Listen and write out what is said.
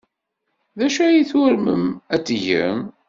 D acu ay turmem ad t-tgem?